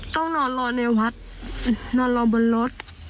ต้องนอนรอในวัดนอนรอบนรถ